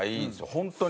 本当に。